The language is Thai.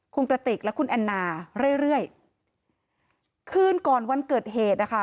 คุณกระติกและคุณแอนนาเรื่อยเรื่อยคืนก่อนวันเกิดเหตุนะคะ